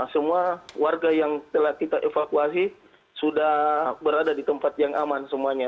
semua warga yang telah kita evakuasi sudah berada di tempat yang aman semuanya